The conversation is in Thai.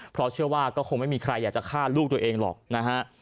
เพราะเชื่อว่าก็คงไม่มีใครอยากจะฆ่าลูกตัวเองหรอกนะฮะ